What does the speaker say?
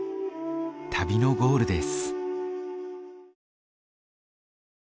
旅のゴールです。